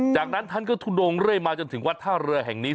จากนั้นท่านก็ทุดงเรื่อยมาจนถึงวัดท่าเรือแห่งนี้